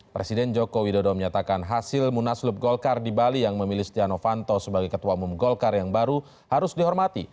presiden joko widodo menyatakan hasil munaslup golkar di bali yang memilih stiano fanto sebagai ketua umum golkar yang baru harus dihormati